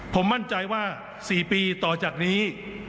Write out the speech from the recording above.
ผมมั่นใจว่า๔ปีต่อจากนี้